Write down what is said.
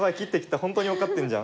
本当に分かってんじゃん。